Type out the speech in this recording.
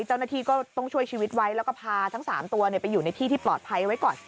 เจ้าหน้าที่ก็ต้องช่วยชีวิตไว้แล้วก็พาทั้ง๓ตัวไปอยู่ในที่ที่ปลอดภัยไว้ก่อน